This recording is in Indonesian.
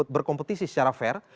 berkompetisi secara fair